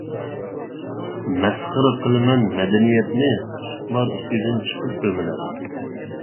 مەسخىرە قىلىمەن مەدەنىيەتنى، قۇسۇقلار ئىچىدىن چىقىپ ئۆمىلەپ.